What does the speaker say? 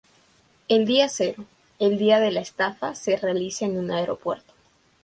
El día cero, el día de la estafa se realiza en un aeropuerto.